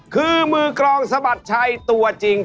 คือมือกรองสะบัดชัยตัวจริง